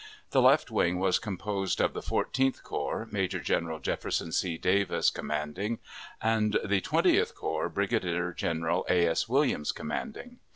The left wing was composed of the Fourteenth Corps, Major General Jefferson C. Davis commanding, and the Twentieth Corps, Brigadier General A. S. Williams commanding.